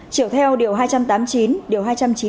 triệu theo điều hai trăm tám mươi chín điều hai trăm chín mươi ba